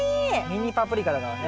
ミニパプリカだからね。